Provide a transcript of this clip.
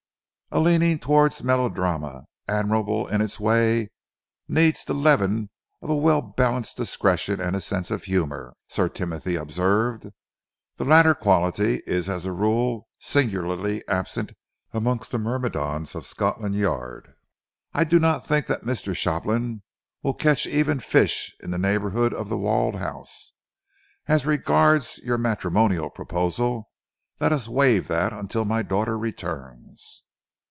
"A leaning towards melodrama, admirable in its way, needs the leaven of a well balanced discretion and a sense of humour," Sir Timothy observed. "The latter quality is as a rule singularly absent amongst the myrmidons of Scotland Yard. I do not think that Mr. Shopland will catch even fish in the neighbourhood of The Walled House. As regards your matrimonial proposal, let us waive that until my daughter returns."